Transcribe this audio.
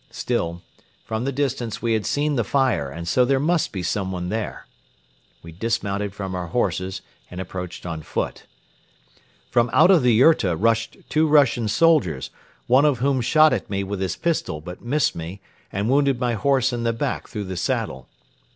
Still, from the distance we had seen the fire and so there must be someone there. We dismounted from our horses and approached on foot. From out of the yurta rushed two Russian soldiers, one of whom shot at me with his pistol but missed me and wounded my horse in the back through the saddle.